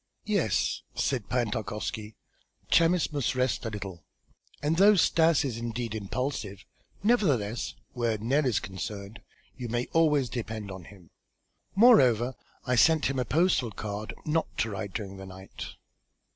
"Yes," said Pan Tarkowski, "Chamis must rest a little, and though Stas is indeed impulsive, nevertheless, where Nell is concerned you may always depend upon him. Moreover, I sent him a postal card not to ride during the night."